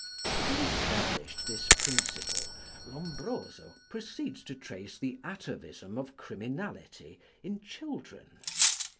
Having established this principle, Lombroso proceeds to trace the atavism of criminality in children.